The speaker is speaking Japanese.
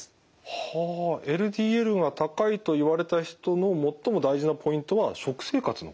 はあＬＤＬが高いと言われた人の最も大事なポイントは食生活の改善。